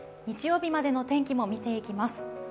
日曜日までのお天気も見ていきます。